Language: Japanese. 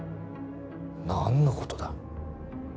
何のことだ？